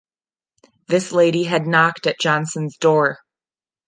This lady had knocked at Johnson's door.